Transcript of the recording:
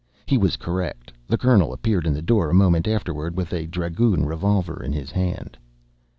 He was correct. The Colonel appeared in the door a moment afterward with a dragoon revolver in his hand.